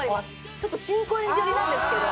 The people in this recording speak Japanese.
ちょっと新高円寺寄りなんですけど」